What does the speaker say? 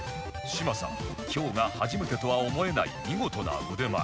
嶋佐今日が初めてとは思えない見事な腕前